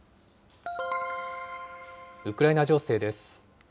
ウクライナ情勢です。